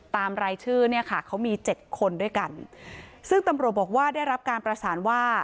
รายชื่อเนี่ยค่ะเขามีเจ็ดคนด้วยกันซึ่งตำรวจบอกว่าได้รับการประสานว่า